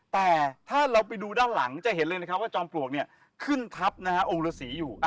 แต่ถ้าเราไปดูด้านหลังจะเห็นเลยนะครับว่าจอมปลวกขึ้นทับองค์ฤษีอยู่